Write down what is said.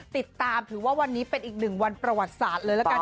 ติดตามถือว่าวันนี้เป็นอีกหนึ่งวันประวัติศาสตร์เลยละกัน